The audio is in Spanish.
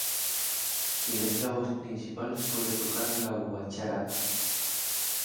Quien es la voz principal, suele tocar la guacharaca.